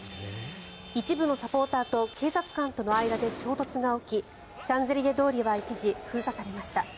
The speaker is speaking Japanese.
一部のサポーターと警察官との間で衝突が起きシャンゼリゼ通りは一時、封鎖されました。